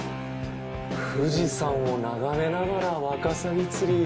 富士山を眺めながらワカサギ釣り。